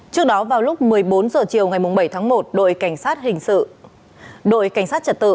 trước đó vào lúc một mươi bốn h chiều ngày bảy tháng một đội cảnh sát trật tự